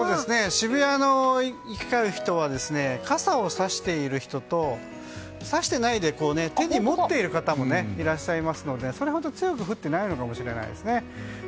渋谷を行き交う人は傘をさしている人とさしていないで手に持っている方もいらっしゃいますのでそれほど強く降ってないのかもしれないですね。